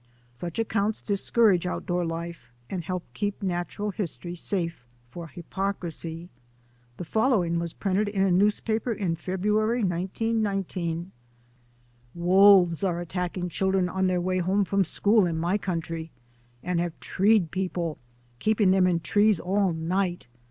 Such accounts discourage outdoor life and help keep natural history safe for hypocrisy. The following was printed in a newspaper in February, 19 19: " Wolves are attacking children on their way home from school in my county and have treed people, keeping them in trees all night.